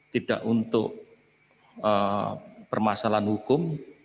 tidak untuk permasalahan hukum